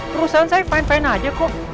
perusahaan saya fine fine aja kok